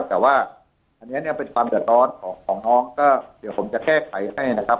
แต่ว่าอันนี้เป็นความเดินตอนของน้องก็เดี๋ยวผมจะแคกภัยให้นะครับ